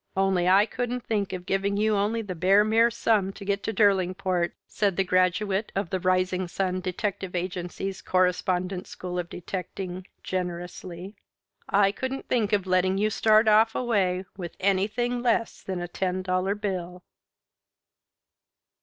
"Only I couldn't think of giving you only the bare mere sum to get to Derlingport," said the graduate of the Rising Sun Detective Agency's Correspondence School of Detecting, generously. "I couldn't think of letting you start off away with anything less than a ten dollar bill."